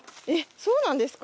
そうなんですね。